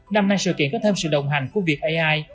năm nay sự kiện có thêm sự đồng hành của việc ai